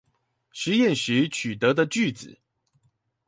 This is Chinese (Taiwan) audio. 實驗時取得的句子